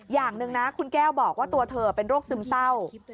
อย่างหนึ่งนะคุณแก้วบอกว่าตัวเธอเป็นโรคซึมเศร้า